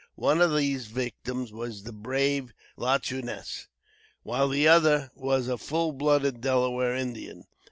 One of these victims was the brave Lajeunesse, while the other was a full blooded Delaware Indian.